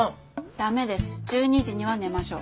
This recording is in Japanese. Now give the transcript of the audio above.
ダメです１２時には寝ましょう。